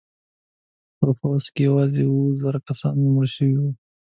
په پوځ کې یوازې اوه زره کسان مړه شوي وو.